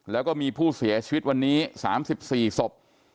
แล้วก็มีผู้เสียชีวิตวันนี้๓๔ศพ